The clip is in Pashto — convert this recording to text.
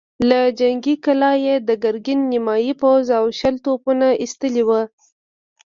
له جنګي کلا يې د ګرګين نيمايي پوځ او شل توپونه ايستلي ول.